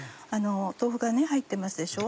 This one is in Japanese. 豆腐が入ってますでしょ？